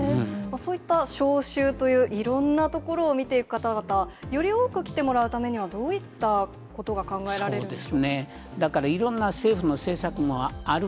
そういった小衆といういろんな所を見ている方々、より多く来てもらうためには、どういったことが考えられるでしょう。